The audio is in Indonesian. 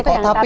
oh ada tape